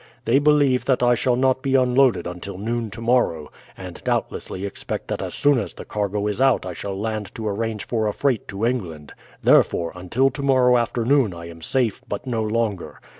They believe that I shall not be unloaded until noon tomorrow, and doubtlessly expect that as soon as the cargo is out I shall land to arrange for a freight to England. Therefore, until tomorrow afternoon I am safe, but no longer.